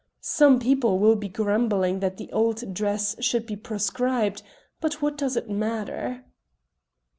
Some people will be grumbling that the old dress should be proscribed, but what does it matter?"